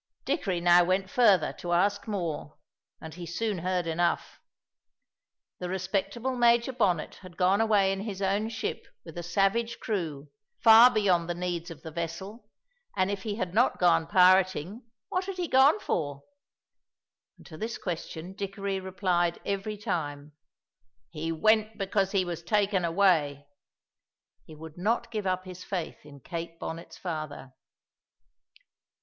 Dickory now went further to ask more, and he soon heard enough. The respectable Major Bonnet had gone away in his own ship with a savage crew, far beyond the needs of the vessel, and if he had not gone pirating, what had he gone for? And to this question Dickory replied every time: "He went because he was taken away." He would not give up his faith in Kate Bonnet's father.